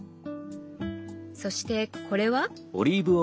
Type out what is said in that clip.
そしてこれは？